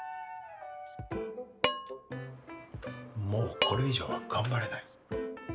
もうこれ以上は頑張れない。